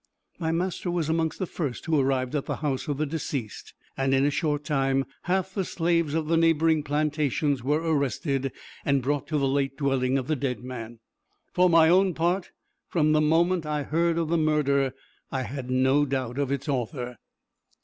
My master was amongst the first who arrived at the house of the deceased; and in a short time, half the slaves of the neighboring plantations were arrested, and brought to the late dwelling of the dead man. For my own part, from the moment I heard of the murder, I had no doubt of its author.